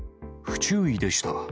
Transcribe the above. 不注意でした。